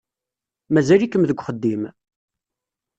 Mazal-ikem deg uxeddim?